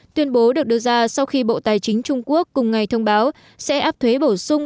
tuyên bố được đưa ra sau khi bộ tài chính trung quốc cùng ngày thông báo sẽ áp thuế bổ sung